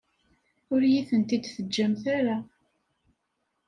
Ur iyi-tent-id-teǧǧamt ara.